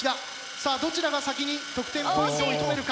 さあどちらが先に得点ポイントを射止めるか。